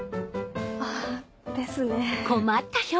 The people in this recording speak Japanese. あですね。